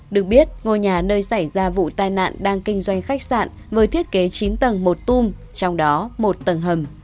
được biết ngôi nhà nơi xảy ra vụ tai nạn đang kinh doanh khách sạn với thiết kế chín tầng một tung trong đó một tầng hầm